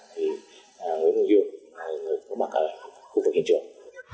thì nguyễn vũ dương là người có mặt ở khu vực hiện trường